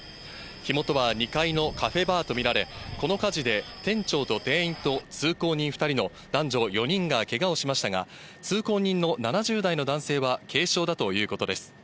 火元は２階のカフェバーと見られ、この火事で店長と店員と通行人２人の男女４人がけがをしましたが、通行人の７０代の男性は軽傷だということです。